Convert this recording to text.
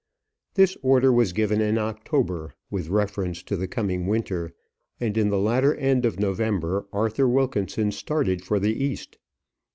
This order was given in October, with reference to the coming winter, and in the latter end of November, Arthur Wilkinson started for the East.